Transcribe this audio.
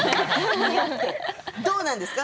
どうなんですか？